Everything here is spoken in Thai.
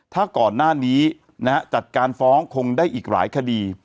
ถ้าก่อนหน้านี้จัดการฟ้องคงได้อีกหลายคดี